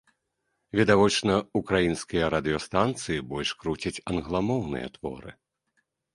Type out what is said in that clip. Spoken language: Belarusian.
Відавочна, украінскія радыёстанцыі больш круцяць англамоўныя творы.